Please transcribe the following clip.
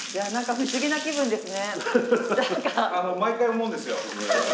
不思議な気分ですね。